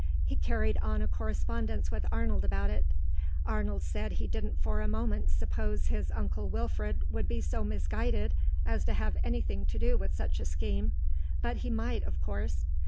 He carried on a correspondence with Arnold about it. Arnold said he didn't for a moment suppose his Uncle Wilfred would be so misguided as to have anything to do with such a scheme, but he might, of course.